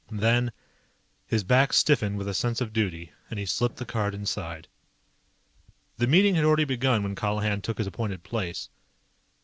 Then, his back stiffened with a sense of duty, and he slipped the card inside. The meeting had already begun when Colihan took his appointed place.